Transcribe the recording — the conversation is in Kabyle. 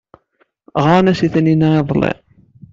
Ɣran-as i Taninna iḍelli.